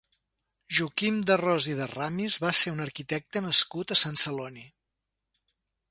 Joaquim de Ros i de Ramis va ser un arquitecte nascut a Sant Celoni.